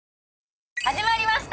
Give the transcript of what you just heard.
始まりました！